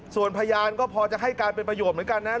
ส่วนพยานก็พอจะให้การเป็นประโยชน์เหมือนกันนะ